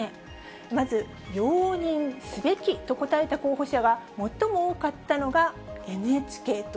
まず容認すべきと答えた候補者が最も多かったのが、ＮＨＫ党。